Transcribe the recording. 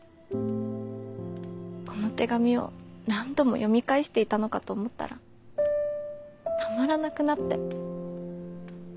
この手紙を何度も読み返していたのかと思ったらたまらなくなって。